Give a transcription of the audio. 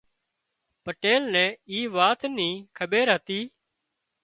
پٽيل نين اي وات ني کٻير هتي